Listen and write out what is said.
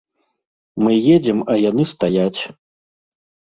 Мы едзем, а яны стаяць.